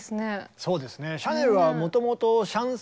そうですね。